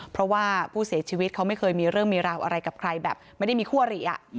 เพราะว่าผู้เสียชีวิตเขาไม่เคยมีเรื่องมีราวอะไรกับใครแบบไม่ได้มีคั่วหรี่